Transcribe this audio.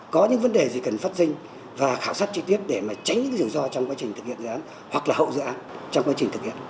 có những vấn đề gì cần phát sinh và khảo sát trực tiếp để mà tránh những rủi ro trong quá trình thực hiện dự án hoặc là hậu dự án trong quá trình thực hiện